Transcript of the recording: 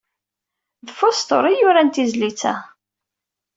D Foster ay yuran tizlit-a.